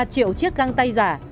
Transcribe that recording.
hai ba triệu chiếc găng tay giả